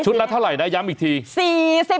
ละเท่าไหร่นะย้ำอีกที